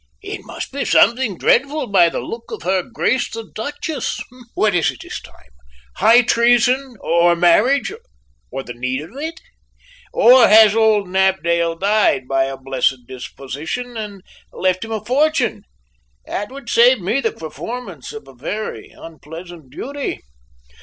"It must be something dreadful by the look of her grace the Duchess. What is it this time? High treason, or marriage, or the need of it? Or has old Knapdale died by a blessed disposition and left him a fortune? That would save me the performance of a very unpleasant duty."